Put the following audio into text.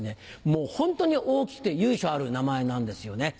もうホントに大きくて由緒ある名前なんですよね。